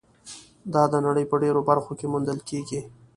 دا د نړۍ په ډېرو برخو کې موندل کېږي.